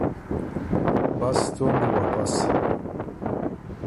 بس څوم بُو واپس۔